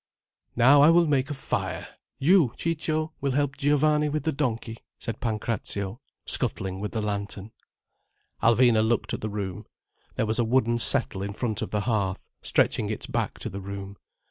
"Now I will make a fire. You, Ciccio, will help Giovanni with the donkey," said Pancrazio, scuttling with the lantern. Alvina looked at the room. There was a wooden settle in front of the hearth, stretching its back to the room.